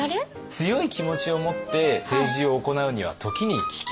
強い気持ちを持って政治を行うには時に聞き流す。